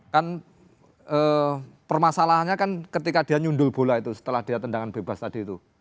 kan permasalahannya kan ketika dia nyundul bola itu setelah dia tendangan bebas tadi itu